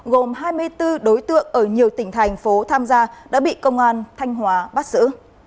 gồm hai mươi bốn đối tượng ở nhiều tỉnh thành phố tham gia đã bị công an thanh hóa bắt giữ